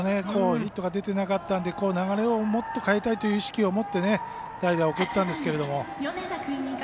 ヒットが出てなかったので流れをもっと変えたいという意識を持って代打を送ったんですが。